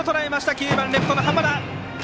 ９番レフトの濱田。